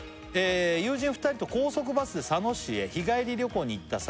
「友人２人と高速バスで佐野市へ日帰り旅行に行った際」